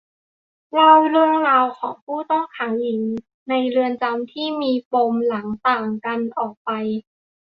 เล่าเรื่องราวของผู้ต้องขังหญิงในเรือนจำที่มีปมหลังต่างกันออกไป